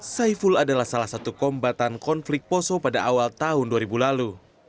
saiful adalah salah satu kombatan konflik poso pada awal tahun dua ribu lalu